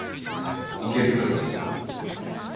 池袋